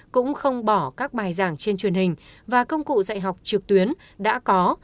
cũng không bỏ các bài giảng trên truyền hình và công cụ dạy học trực tuyến đã có